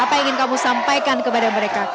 apa yang ingin kamu sampaikan kepada mereka